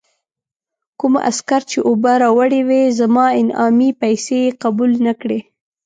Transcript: کوم عسکر چې اوبه یې راوړې وې، زما انعامي پیسې یې قبول نه کړې.